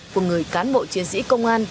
của người cán bộ chiến sĩ công an